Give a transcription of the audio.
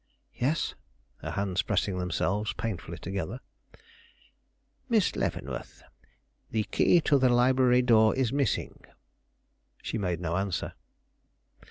"Yes," her hands pressing themselves painfully together. "Miss Leavenworth, the key to the library door is missing." She made no answer.